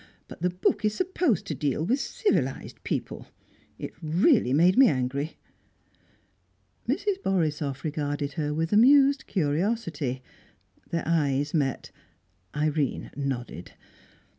But the book is supposed to deal with civilised people. It really made me angry!" Mrs. Borisoff regarded her with amused curiosity. Their eyes met. Irene nodded.